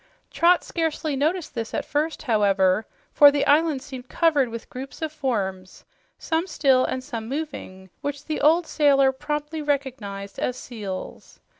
Trot scarcely noticed this at first, however, for the island seemed covered with groups of forms, some still and some moving, which the old sailor promptly recognized as seals.